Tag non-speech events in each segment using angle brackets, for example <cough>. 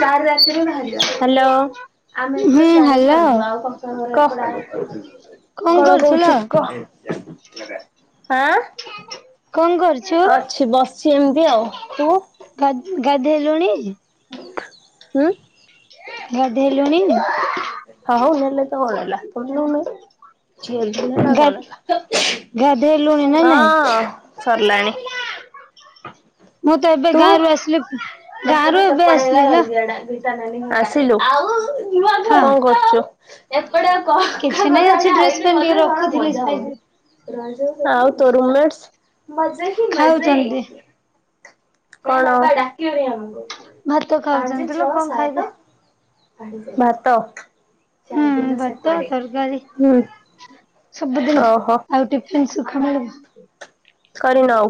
ଚାରି ରାତିରେ ବାହାରିବା ହାଲୋ ଆମେ ଏଥର ହୁଁ ସିଆଡେ ହିଁ ହ୍ୟାଲୋ ରହିଯିବୁ ଆଉ କ କଣ କଣ କରୁଥିଲ କହୁଚୁ କହ? କଣ କରୁଛୁ? ଆଁ ଅଛି ବସଚି ଏମିତି ଆଉ ତୁ? ଗା-ଗାଧେଇଲୁଣି? ହୁଁ ଗାଧେଇଲୁଣି? ହଉ ନେଲେ ତ କଣ ହେଲା? <unintelligible> ଝିଅ ଧନ ନେଲା ଆଉ ଗା କଣ ହେଲା? ଗାଧେଇଲୁଣି ନା ନାଇଁ ହଁ ସରଲାଣି। ମୁଁ ତ ଏବେ ଗାଁରୁ ଆସିଲି। ଗାଁ ଏଥର ରୁ ଏବେ ସେପଟେ ହେଲା ଆସିଲି ଲୋ ରହିଯିବାଟା ଗୀତା ନାନୀ ଘର ଆସିଲୁ ଆଉ ନୂଆ ଘର ହଁ କଣ କରୁଚୁ? ଏପଟେ ଆଉ କିଛି କକା ନାଇଁ ଘର ଅଛି ଆଡେ ଡ୍ରେସ ଆଇଲୁ ପେନ୍ ଟିକେ ଗଲୁ ଭଲ ରଖୁଥିଲି ମଜା ସାଇଜ ହୁଏ। ରେ <unintelligible> ଆଉ ତୋ ରୁମେଟସ୍ ମଜେ ହି ମଜେ। ଖାଉଛନ୍ତି କଣ ଡାକିବନି ଆମୁକୁ ଭାତ ପାଞ୍ଚେ ଖାଉଛନ୍ତି ଲୋ ଛଅ କଣ ଖାଇବେ ସାତ। ଭାତ ହୁଁ ଚାରଦିନ ଭାତ ସେପଡେ ତରକାରୀ ଉଁ ସବୁଦିନ ଆଉ ଟିଫିନ ସୁଖା ମିଳିବା। କରିନ ଆଉ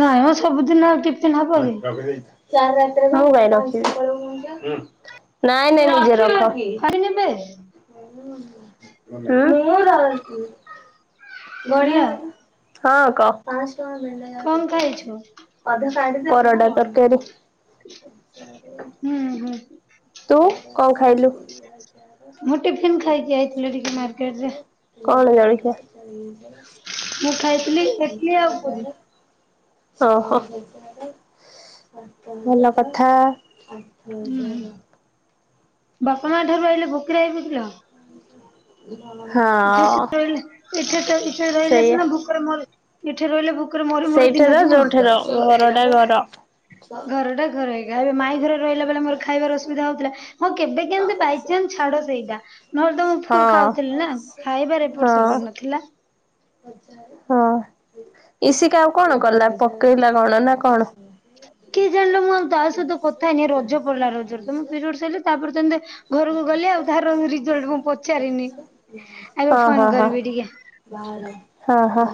ନା ମ ସବୁଦିନ ଆଉ ଟି ନାଁ ରଖି ଦେଇଥା। ମୁଁ କାଇଁ ରଖିବି ନାଇଁ ନାଇଁ ନିଜେ ରଖ। କିନିବେ ଉଁ ହୁଁ ହୁଁ ଉଁ ମୁଁ <unintelligible> ହ୍ୟାଲୋ ଗଣିବା ଦେଲୁ ହଁ କ ପାଁଶହ ଟଙ୍କା ରହିଲା ୟା ଭିତରେ। ଏଛୁ ପରଟା ତରକାରୀ। ଉଁ ହୁଁ। ତୁ କଣ ଖାଇଲୁ? ମୁଁ ଟିଫିିନ ଖାଇକି ଆଇଥିଲି ଟିକେ ମାର୍କେଟ ରେ। କଣ ଜଳିଖିଆ? ମୁଁ ଖାଇଥିଲି ଏଟିଲି ଆଉ ପୁରି। ଓ ହୋ। ଭଲ କଥା। ହୁଁ ହୁଁ ବାପା ମାଆ ଠାରୁ ଆଇଲେ ଭୋକିଲା ହେଇକି ଥିଲ। <inaudible> ହଁ। ଏଠି ଆସି ରହିଲେ ଏଠି ଏଠି <unintelligible> ଏଠିରେ ରହିଲେ ସେଇଆ ସିନା ଭୁକରେ ମରି ଏଠିରେ ରହିଲେ ଭୁ ଭୁକରେ ମରୁ ମରୁ ସେଇଠାର ଦିନ ଯିବ ଯୋଉଠାର ଘରଟା ଘର ଘରଟା ଘର ହେଇ ଇଏ ଭାବିବେ ମାଇ ଘରେ ରହିଲା ବେଳେ ମୋର ଖାଇବାର ଅସୁବିଧା ହଉଥିଲା। ହଁ କେବେ କେମିତି ବାଇଚାନ୍ସ ଛାଡ ସେଇଟା ନହେଲେ ତ ମୁଁ ଫୁଲ ହଁ। ଖାଉଥିଲି ନା। ଖାଇବାରେ ଏପଟ ହଁ ସେପଟ ନଥିଲା। ହଁ ଇସିକା ଆଉ କଣ କଲା ପକେଇଲା କଣ ନା କଣ? କିଏ ଜାଣିଲା ମୁଁ ଆଉ ତା ସହିତ କଥା ହେଇନି ରଜ ପଡିଲା ରଜରେ ତ ମୁଁ ପିରିଅଡସ ହେଲି ତାପରେ ତ ଏମିତି ଘରକୁ ଗଲି ଆଉ ତାର ରିଜଲ୍ଟ ମୁଁ ପଚାରିନି ଏବେ ହଁ ଫୋନ ହଁ ହଁ। କରିବି ଟିକେ। ହଁ ହ ହଁ।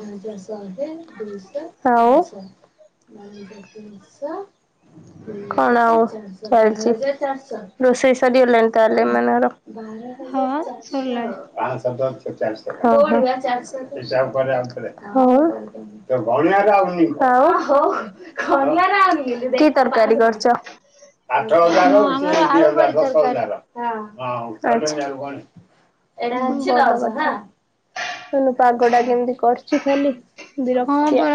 କଣ ଆଉ ଚାଲିଛି। ରୋଷେଇ ସରିଗଲାଣି ତାହେଲେ ଏମାନଙ୍କର। ହଁ ସରିଲାଣି ହଉ। ହଉ କି ତରକାରୀ କରୁଛ। ଆଠ ହଜାର ମୁଁ ସେ ଆମର ଦି ଆଳୁ ହଜାର ବଡି ଦଶ ତରକାରୀ। ହଜାର। ଆଛା। ହୁଁ ପାଗ ଟା କେମିତି କରିଛି ଖାଲି ବିରକ୍ତିଆ।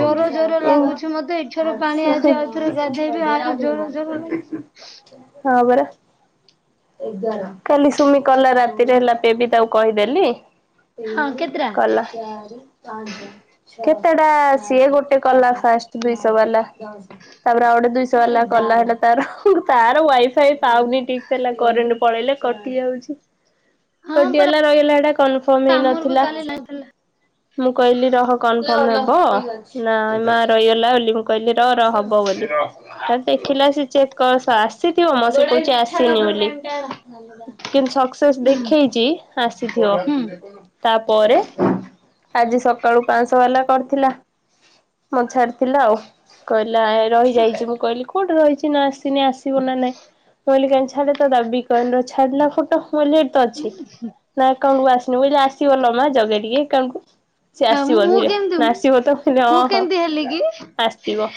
ଜରୁଆ ଜରୁଆ ଉଁ ଲାଗୁଛି ମତେ ଏଇଠାରୁ ପାଣି ଆଜି ଆଉଥରେ ଗାଧେଇବି ଆଉରି ଜର <inaudible> ହଁ ପରା। କାଲି ସୁମି କଲା ରାତିରେ ହେଲା ବେବି ତାକୁ କହିଦେଲି। ହଁ କେତଟା? କଲା। କେତେଟା ସିଏ ଗୋଟେ କଲା ଫାଷ୍ଟ ଦୁଇଶହ ବାଲା। ତାପରେ ଆଉ ଗୋଟେ ଦୁଇଶହ ବାଲା କଲା ହେଲା ତାର ତାର ୱାଇଫ ସେଇ ପାଉନି ଠିକସେ ହେଲା କରେଣ୍ଟ ପଳେଇଲେ କଟି ଯାଉଛି। ହଁ ପରା କଟିଗଲା ରହିଗଲା ହେଟା କନଫର୍ମ ଆମର ବି ହେଇନଥିଲା। କାଲି ଲାଇନ ଥିଲା। ମୁଁ କହିଲି ରହ କନଫର୍ମ ହବ ନା ମା ରହିଗଲା ବୋଲି। କହିଲି ର ର ହବ ବୋଲି ତାପରେ ଦେଖିଲା ସେ ଚେକ୍ କର ଆସି କହୁଛି ଆସିନି ବୋଲି। କିନ୍ତୁ ସକ୍ସେସ ଦେଖେଇଛି ଆସିଥିବ। ହୁଁ ତାପରେ। ଆଜି ସକାଳୁ ପାଞ୍ଚଶହ ବାଲା କରିଥିଲା ମତେ ଛାଡିଥିଲା ଆଉ କହିଲାଏ ରହିଯାଇଛି ମୁଁ କହିଲି କୋଉଠି ରହିଛି ନା ଆସିନି ଆସିବ ନା ନାଇଁ। କହିନି ଛାଡେତ ଦାବିକି କହିଲି ଛାଡିଲା ଫଟ ମୁ କହିଲି ହେଇଠି ତ ଅଛି। ନା ଆକାଉଣ୍ଟକୁ ଆସିନି ମୁଁ କହିଲ ଆସିିବଲ ମା ଜଗେଇ ଟିକେ ଏକାଉଣ୍ଟକୁ। ସେ ଆଉ ଆସିବ ମୁଁ ଧୀରେ କେମିତି ନା ଆସିବ ତ ମୁଁ କହିଲେ ହଁ ହଁ କେମିତି ହେଲି ଆସିବ।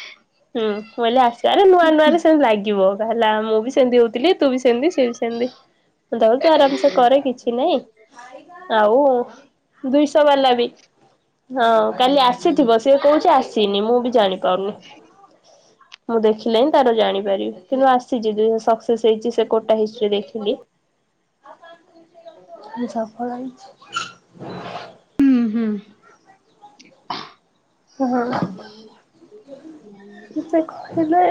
ହୁଁ ମୁଁ କହିଲି ଆସିବରେ ନୂଆ ନୂଆରେ ସେମତି ଲାଗିବ କାହେଲା ମୁଁ ବି ସେମିତି ହଉଥିଲି। ତୁ ବି ସେମିତି ସିଏ ବି ସେମିତି ଦେଖ ତୁ ଆରାମସେ କରେ କିଛି ନାଇଁ। ଆଉ ଦୁଇଶହ ବାଲାବି। ହଁ କାଲି ଆସିଥିବ ସିଏ କହୁଛି ଆସିନି ମୁଁ ବି କି? ଜାଣିପାରୁନି। ମୁଁ ଦେଖିଲେ ହିଁ ତାର ଜାଣିପାରିବି କିନ୍ତୁ ହୁଁ ଆସିଛି ଦୁଇସହ ସକ୍ସେସ ହେଇଛି ସେ କୋଟା ହିଷ୍ଟି ଦେଖିଲି। ସକାଳୁ ଆଇଚି। ହୁଁ ହୁଁ। ହଁ ସେ କହିଲେ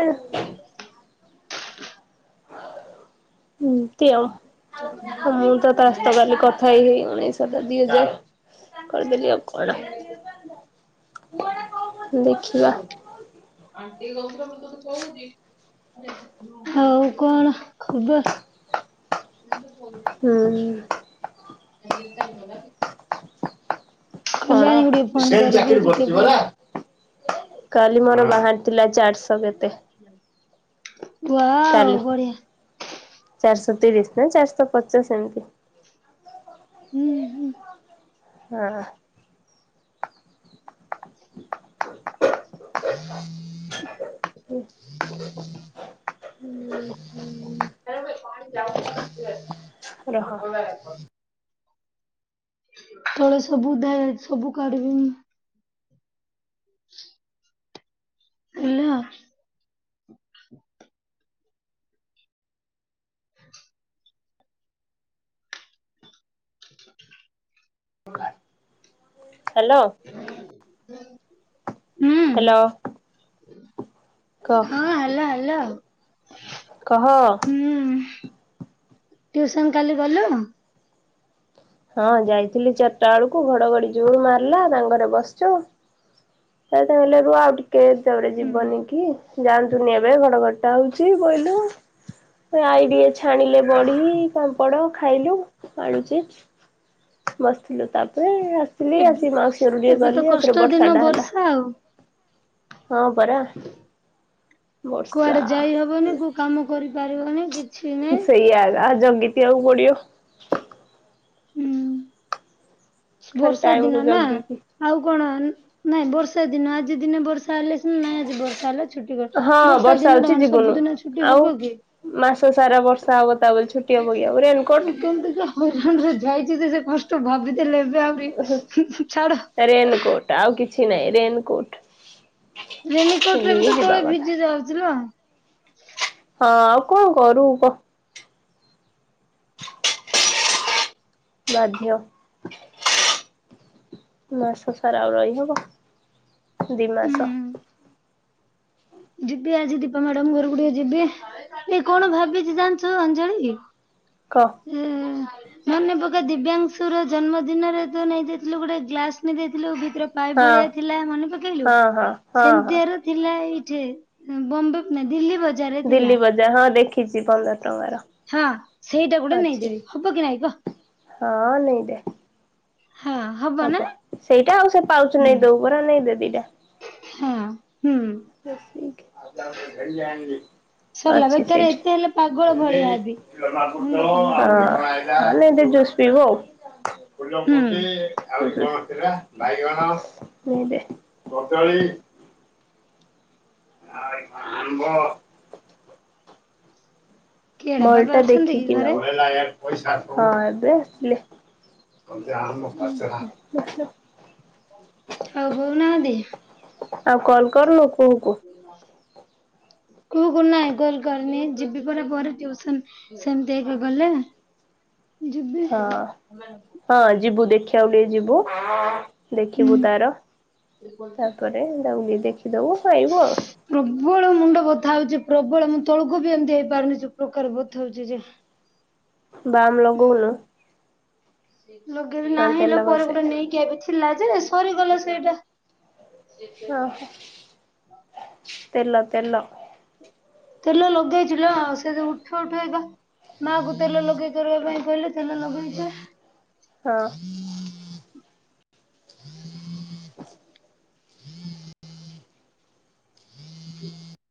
ହଁ ଏମତି ଆଉ। ହ ମୁଁ ତ ତାସହିତ କାଲି କଥା ହେଇ ହେଇ ଉଣେଇଶ ହା ଦି ହଜାର। କରିଦେଲି ଆଉ କଣ ଦେଖିବା ଆ ଟ ଗାଉର ମୁ ତୋ ତ ଖହୁି <unintelligible> ହଉ କଣ ଖବର? ହୁଁ। ଆଜିକାଲି ତାେ ଖ କି <unintelligible> ଗୁଡିଏ ଫୋନ ସେ କରିବି ଚାକିରି ଟିକେ କରଛି ବଲା ପରେ। <unintelligible> କାଲି ମୋର ବାହାରି ଥିଲା ଚାରିଶହ କେତେ। ବାଓ କାଲି ବଢିଆ। ଚାରିଶହ ତିରିଶ ନା ଚାରିଶହ ପଚାଶ ଏମିତି। ହୁଁ ହୁଁ। ହଁ <inaudible> ହୁଁ ହୁଁ। <inaudible> ରହ। <inaudible> ତଳେ ସବୁ ଦେ ସବୁ କାଢିବିନି। <inaudible> ହେଲା। <inaudible> ହ୍ୟାଲୋ। ହୁଁ। ହ୍ୟାଲୋ। କହ ହଁ ହେଲା ହେଲା ଆଉ। କହ। ହୁଁ ଟ୍ୟୁସନ କାଲି ଗଲୁ। ହଁ ଯାଇଥିଲି ଚାରିଟା ବେଳକୁ ଘଡ଼ଘଡ଼ି ଜୋର ମାରିଲା ତାଙ୍କରେ ବସିଚୁ ସେ ତାହିଲେ ରୁ ଆଉ ଟିକେ ଦେରେ ହୁଁ ଯିବନି କି ଯା ନ୍ତୁନି ଏବେ ଘଡଘଡି ଯାଉଛି ବୋଇଲୁ ଆଇ ଟିକେ ଛାଣିଲେ ବଢି ପାମ୍ପଡ ଖାଇଲୁ ଆଣିଚି। ବସିଥିଲୁ ତାପରେ ଆସିଲି ଆସି ଏବ୍ ମାଉସିରୁ ଟିକେ ଏବେ ତ ଗଲି କଷ୍ଟ ତାପରେ ଦିନ ବର୍ଷାଟା ହେଲା। ବର୍ଷା ଆଉ। ହଁ ପରା। ବର୍ଷା କୁଆଡେ ଯାଇ ହବନି କୋଉ କାମ କରିପାରିବନି କିଛି ନାଇଁ ସେଇଆ ଆଉ ଜଗି ତିଆକୁ ପଡିବ। ହୁଁ। ଖାଲି ବର୍ଷା ଟାଇମ କୁ ଦିନ ନା। ଜଗିକି ଆଉ କଣ ନାଇଁ ବର୍ଷା ଦିନ ଆଜି ଦିନେ ବର୍ଷା ହେଲେ ସ ନା ନାଇଁ ଆଜି ବର୍ଷା ହେଲା ଛୁଟି କ ହଁ ବର୍ଷା ଦିନ ଟା ହଉଛି ମାନେ ଯିବୁନୁ ସବୁଦିନ ଛୁଟି ଆଉ ହବ କି। ମାସ ସାରା ବର୍ଷା ହବ ତା ବୋଲି ଛୁଟି ହବ କି ଆଉ ରେନକୋଟ ମୁଁ କେମତିକା ହଇରାଣରେ ଯାଇଛି ତ ସେ କଷ୍ଟ ଭାବିଦେଲେ ଏବେ ଆହୁରି <inaudible> ଛାଡ। ରେନକୋଟ୍ ଆଉ କିଛି ନାହିଁ ରେନକୋଟ୍। ରେନିକୋଟ ରେ ବି ଯିବା ତୋଳେ କଥା। ଭିଜି ଯାଉଥିଲା। ହଁ ଆଉ କଣ କରୁବୁ କ। ବାଧ୍ୟ। ମାସ ସାରା ଆଉ ରହିହବ ଦି ହୁଁ। ମାସ। ଯିବି ଆଜି ଦୀପା ମ୍ୟାଡାମ୍ ଘରକୁୁ ଟିକେ ଯିବି। ଏ କଣ ଭାବିଛି ଜାଣିଛୁ ଅଞ୍ଜଳି। କହ। ହୁଁ ଊ ଊ ମନେ ପକା ଦିବ୍ୟାଂଶୁର ଜନ୍ମଦିନରେ ତୁ ନେଇ ଯାଇଥିଲୁ ଗୋଟେ ଗ୍ଲାସ ନେଇ ଦେଇଥିଲୁ ଭିତରେ ପାଇପ୍ ହଁ। ଭଳିଆ ଥିଲା ମନେ ପକେଇଲୁ ହଁ ହଁ ହଁ ହଁ ସେମିତିଆର ଥିଲା ଏଇଠି ବମ୍ବେ ବ ନାଇ ଦିଲ୍ଲୀ ବ ଦିଲ୍ଲୀ ବଜାର ହଁ ଦେଖିଛି ପନ୍ଦର ଟଙ୍କାର ହଁ ସେଇଟା ଗୋଟେ ଅଛି। ନେଇଦେବି ହବ କି ନାଇଁ କ? ହଁ ନେଇଜା। ହଁ ହବ ନା। ସେଇଟା ଆଉ ସେ ପାଉଚ୍ ହୁଁ ନେଇ ଦବୁ ପରା ନେଇ ଦେ ଦିଟା। ହଁ ହୁଁ। <unintelligible> ସରିଲା ଅଛି ବେକାର ଏତେ ହେଲେ ପାଗଳ ସେଇଠି ଭଳିଆ ହେବି ହଁ। ମୁଣ୍ଡ କାମ କରିବନି ଭଲ କି ଜୁସ ପିଇବୁ ଆଉ। ହୁଁ <inaudible> ଆଇ ଆମ୍ବ କିଏଡା ମଲ୍ ବାବା ଟା ଅଛନ୍ତି କି ଦେଖିକି ଘରେ? ନବ ହଁ, ଏବେ ଆସିଲେ। କଞ୍ଚାଆମ୍ବ, ପାଚେଲାଆମ୍ବ। ହଉ ବଉନାହାଁନ୍ତି? ଆଉ କଲ୍ କରୁନୁ କୁହୁକୁ? <unintelligible> କୁହୁକୁ ନାଇ କଲ୍ କରିନି। ଯିବି ପରା ପରେ ଟିଉସନ୍ ସେମିତି ଏବେ ଗଲେ। ଯିବି ହଁ। ହଁ, ଯିବୁ ଦେଖିଆକୁ ଟିକେ ଯିବୁ, ଦେଖିବୁ ତାର ଏଇ ପଲ୍ ଯା। ଏ ତାକୁ ଟିଏ ଦେଖିଦବୁ ଖାଇବୁ ଆଉ। ପ୍ରବଳ ମୁଣ୍ଡ ବଥା ହଉଛି, ପ୍ରବଳ ମୁଁ ତଳକୁ ବି ଏମିତି ହେଇପାରୁନି, ଯୋଉ ପ୍ରକାର ବଥା ହଉଚି ଯେ! ବାମ୍ ଲଗଉନୁ? ଲଗେଇବି ହଁ ନାହିଁ, ତେଲ ଲୋ ପରେ ଘଷେ ଗୁଟେ ନେଇକି ଆଇବି ଥିଲା ଯେ ସରିଗଲା ସେଇଟା। ଅ ହଁ, ତେଲ ତେଲ। ତେଲ ଲଗେଇଚି ଲୋ, ସେ ଯୋଉ ଉଠୁ ଉଠୁ ଏଇବା ମା କୁ ତେଲ ଲଗେଇ କରିବା ପାଇଁ କହିଲେ ତେଲ ଲଗେଇଚୁ। ହଁ। <inaudible>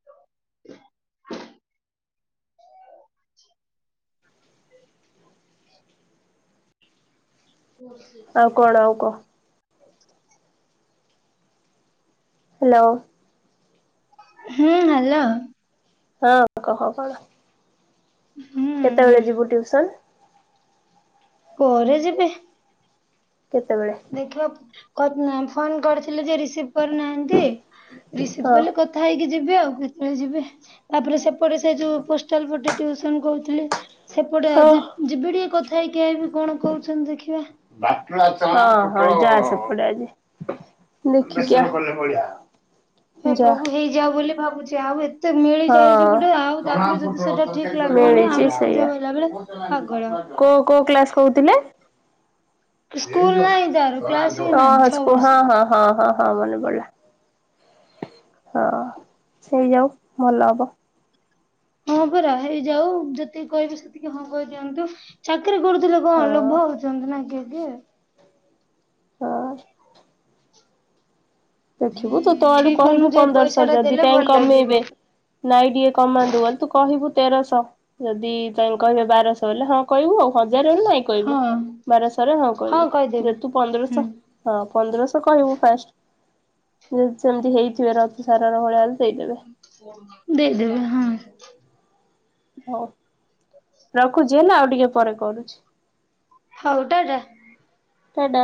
<inaudible> ଫୋର୍ ସିକ୍ସ ଆଉ କଣ ନାଇନ୍ ଆଉ କହ ହ୍ୟାଲୋ! ହୁଁ ହ୍ୟାଲୋ। ହଁ କହ କଣ? ହୁଁ। କେତେବେଳେ ଯିବୁ ଟିଉସନ୍? କୁଆରେ ଯିବି? କେତେବେଳେ? ଦେଖିବା କରିନାହଁ ଫୋନ୍ କରିଥିଲେ ଯେ ରିସିଭ୍ କରିନାହାଁନ୍ତି, ରିସିଭ୍ ହଁ। କଲେ କଥ୍ କଥା ହେଇକି ଯିବି ଆଉ, କେତେଏଳେ ଯିବି? ତା'ପରେ ସେପଟେ ସେ ଯୋଉ ପୋଷ୍ଟାଲ୍ ପଟେ ଟିଉସନ୍ କରୁଥିଲେ! ସେପଟେ ହଁ ଆଜି ଯିବି ଟିକେ କଥା ହେଇକିି ଆଇବି, କଣ କହୁଛନ୍ତି ଦେଖିବା? ହଁ ହଁ ଯା ସେପଟେ ଆଜି। ହୁଁ ଦେଖିକି ଆ ଯା। ଯା ବୋଲି ଭାବୁଛି ଆଉ ଏତ୍ ତେ ମିଳିଯାଇଛି ଗୁଟେ, ଆଉ ତା'ପରେ ଯଦି ସେଟା ଠିକ୍ ହଁ। ଲାଗିବନି, ମିଳିଛି ଆହୁରି ଖୁଜ ବଇଲା ବେଳେ ପାଗଳ। କୋ କୋଉ କ୍ଲାସ କହୁଥିଲେ? ସ୍କୁଲ ନାହିଁ ତାର କ୍ଲାସ ହିଁ ହଁ ନାହିଁ ହସ୍ ଛଅ କୁ ହଁ ବର୍ଷ ହଁ। ହଁ ହଁ ହଁ ମନେ ପଡିଲା, ହଁ ସେଇ ଯାଉ। ଭଲ ହବ। ହଁ, ପରା ହେଇ ଯାଉ, ଯେତିକି କହିବି ସେତିକି ହଁ କହିଦିଅନ୍ତୁ। ଚାକିରି କରୁଥିଲେ ହଁ କଣ ଲୋଭ ହଉଛନ୍ତି ନା କିଏ କିଏ? ହଁ। ଦେଖିବୁ ତୁ ତୋ ଆଡୁ ଠିକ କହିବୁ ଅନୁଯାୟୀ ପଇସା ପନ୍ଦରଶହ ଟା ଯଦି ଦି ଦେଲେ ତାଏଁ ଭଲ କମେଇବେ। ଲାଗିବ ନାଇଁ ଟିକେ କମାନ୍ତୁ ବୋଲି ତୁ କହିବୁ ତେରଶହ, ଯଦି ତ କହିବ ବାରଶହ ବଲେ ହଁ କହିବୁ ଆଉ, ହଜାରରେ ନାଇଁ କହିବୁ। ହଁ ବାରଶହରେ ହଁ କହିବୁ, ଯଦିତୁ ପନ୍ଦରଶହ ହୁଁ। ହଁ, ପନ୍ଦ୍ରଶହ କହିବୁ ଫାଷ୍ଟ। ହୁଁ ସେମିତି ହେଇଥିବାର ଅଛି, ସରଳ ଭଳିଆ ହେଲେ ଦେଇଦେବେ। ଦେଇଦବେ ହଁ। ହଉ। ରଖୁଛି ହେଲା ଆଉ ଟିକେ ପରେ କରୁଚି। ହଉ ଟାଟା। ଟା ଟା।